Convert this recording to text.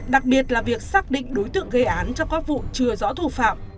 đặc biệt là việc xác định đối tượng gây án cho các vụ chưa rõ thủ phạm